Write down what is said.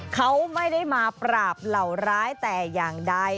เขาไม่ได้มาปราบเหล่าร้ายแต่อย่างใด